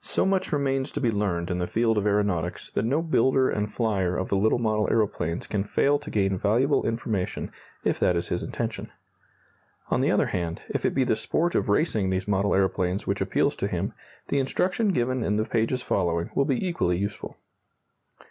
So much remains to be learned in the field of aeronautics that no builder and flyer of the little model aeroplanes can fail to gain valuable information, if that is his intention. On the other hand, if it be the sport of racing these model aeroplanes which appeals to him, the instruction given in the pages following will be equally useful.